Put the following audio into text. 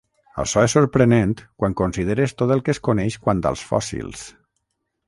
Açò és sorprenent quan consideres tot el que es coneix quant als fòssils.